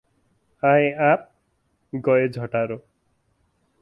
आए आप, गए झटारो।